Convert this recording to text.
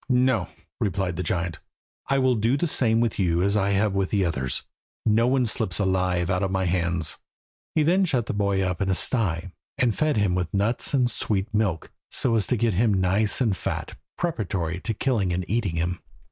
"No," replied the giant, "I will do the same with you as with the others. No one slips alive out of my hands." He then shut the boy up in a sty, and fed him with nuts and sweet milk, so as to get him nice and fat preparatory to killing and eating him.